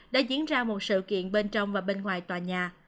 đã diễn ra một sự kiện bên trong và bên ngoài tòa nhà